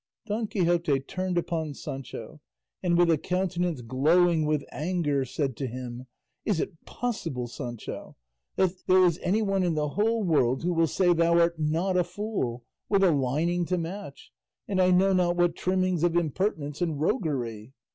Don Quixote turned upon Sancho, and with a countenance glowing with anger said to him, "Is it possible, Sancho, there is anyone in the whole world who will say thou art not a fool, with a lining to match, and I know not what trimmings of impertinence and roguery?